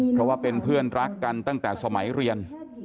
เพราะว่าเป็นเพื่อนรักกันตั้งแต่สมัยเรียน